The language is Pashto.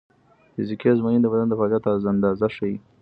فزیکي ازموینې د بدن د فعالیت اندازه ښيي.